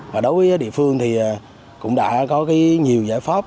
và đối với địa phương thì cũng đã có cái nhiều giải pháp